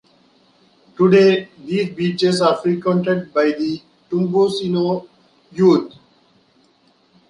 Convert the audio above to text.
Today, these beaches are frequented by the "tumbesino" youth.